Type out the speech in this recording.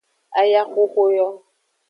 Ayaxoxo yo.